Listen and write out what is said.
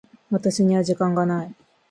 私には時間がない。